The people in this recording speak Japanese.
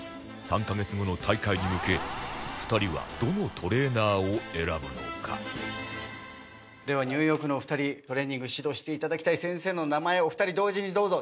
３カ月後の大会に向け２人はではニューヨークのお二人トレーニング指導していただきたい先生の名前お二人同時にどうぞ！